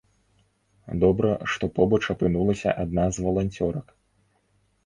Добра, што побач апынулася адна з валанцёрак.